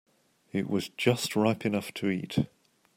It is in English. It was just ripe enough to eat.